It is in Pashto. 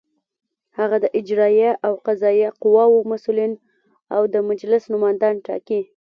هغه د اجرائیه او قضائیه قواوو مسؤلین او د مجلس نوماندان ټاکي.